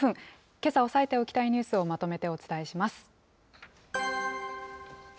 けさ押さえておきたいニュースをまとめてお伝えします。